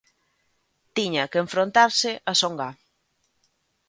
Tiña que enfrontarse a Songá.